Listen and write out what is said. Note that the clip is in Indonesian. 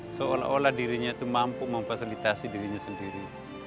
seolah olah dirinya itu mampu memfasilitasi dirinya sendiri